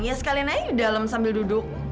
ya sekalian aja di dalam sambil duduk